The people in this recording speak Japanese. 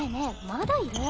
まだいる。